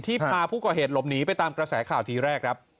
พาผู้ก่อเหตุหลบหนีไปตามกระแสข่าวทีแรกครับ